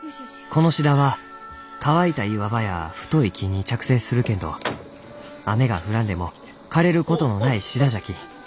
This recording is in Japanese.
このシダは乾いた岩場や太い木に着生するけんど雨が降らんでも枯れることのないシダじゃき。